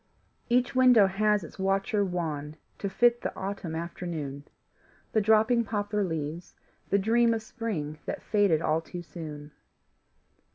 Each window has its watcher wan To fit the autumn afternoon, The dropping poplar leaves, the dream Of spring that faded all too soon.